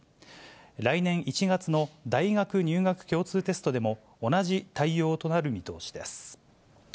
来年１月の大学入学共通テストでも、同じ対応となる見通しです。